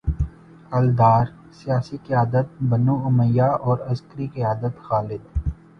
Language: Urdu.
الدار، سیاسی قیادت بنو امیہ اور عسکری قیادت خالد